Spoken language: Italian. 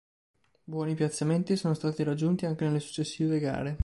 Buoni piazzamenti sono stati raggiunti anche nelle successive gare.